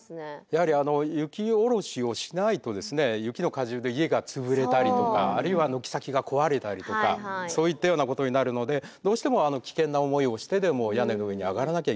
やはり雪おろしをしないとですね雪の荷重で家が潰れたりとかあるいは軒先が壊れたりとかそういったようなことになるのでどうしても危険な思いをしてでも屋根の上に上がらなきゃいけないと。